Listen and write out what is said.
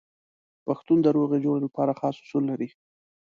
پښتون د روغې جوړې لپاره خاص اصول لري.